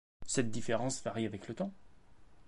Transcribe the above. Cette différence varie avec le temps.